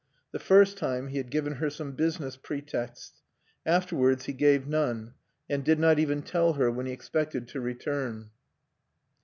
The first time he had given her some business pretexts; afterwards he gave none, and did not even tell her when he expected to return.